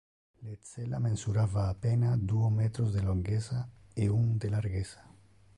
Le cella mensurava a pena duo metros de longessa e un de largessa.